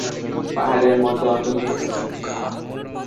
পাহাড়ের মত অটল হয়ে থাক।